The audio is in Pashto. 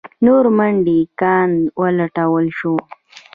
نور منډیي ګان ولټول شول.